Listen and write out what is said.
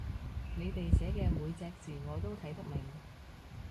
你哋寫嘅每隻字我都睇得明